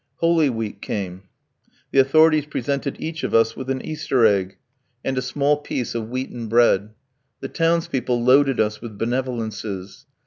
Holy Week came. The authorities presented each of us with an Easter egg, and a small piece of wheaten bread. The townspeople loaded us with benevolences.